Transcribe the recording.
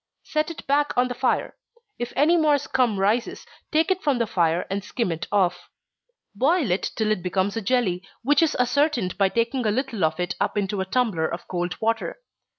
Set it back on the fire if any more scum rises, take it from the fire, and skim it off. Boil it till it becomes a jelly, which is ascertained by taking a little of it up into a tumbler of cold water.